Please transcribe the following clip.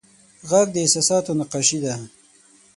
غږ د احساساتو نقاشي ده